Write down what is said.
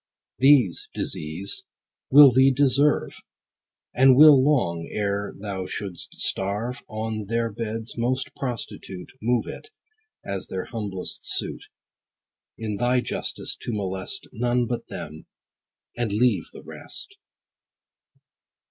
These, Disease, will thee deserve ; And will long, ere thou should'st starve, On their beds, most prostitute, Move it, as their humblest suit, In thy justice to molest None but them, and leave the rest.